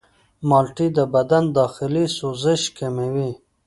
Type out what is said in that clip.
مالټې د بدن داخلي سوزش کموي.